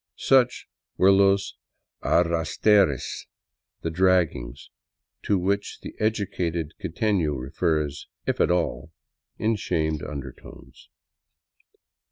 Such were los arrastres ("the draggings"), to which the 'educated quitefio refers, if at all, in shamed undertones.